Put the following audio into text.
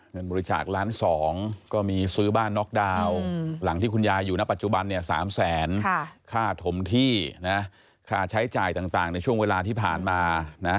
เงินบริจาคล้านสองก็มีซื้อบ้านน็อกดาวน์หลังที่คุณยายอยู่ณปัจจุบันเนี่ย๓แสนค่าถมที่นะค่าใช้จ่ายต่างในช่วงเวลาที่ผ่านมานะ